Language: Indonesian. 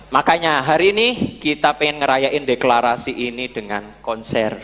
makanya hari ini kita pengen ngerayain deklarasi ini dengan konser